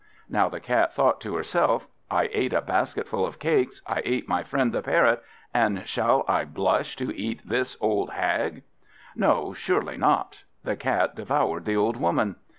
Now the Cat thought to herself, "I ate a basketful of cakes, I ate my friend the Parrot, and shall I blush to eat this old hag?" No, surely not. The Cat devoured the old Woman.